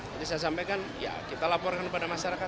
jadi saya sampaikan ya kita laporkan kepada masyarakat